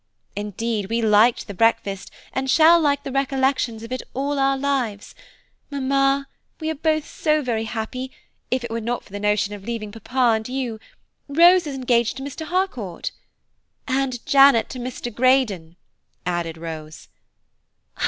Indeed, we liked the breakfast, and shall like the recollections of it all our lives; mamma, we are both so very happy, if it were not for the notion of leaving papa and you–Rose is engaged to Mr. Harcourt." "And Janet to Mr. Greydon," added Rose.